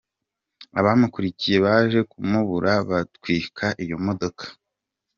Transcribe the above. Abamukurikiyeyo baje kumubura batwika iyo modoka.